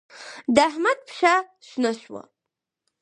د احمد پښه شنه شوه.